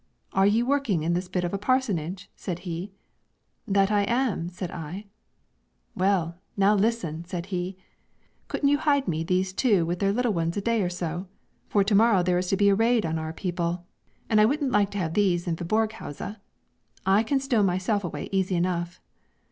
'Are you working in this here bit of a parsonage?' said he. 'That I am,' said I. 'Well, now listen,' said he; 'couldn't you hide me these two with their little ones a day or so? for to morrow there is to be a raid on our people, and I wouldn't like to have these in Viborghouse; I can stow myself away easy enough.'